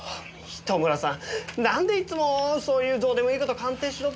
糸村さんなんでいつもそういうどうでもいい事鑑定しろって。